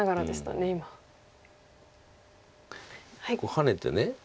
ハネて。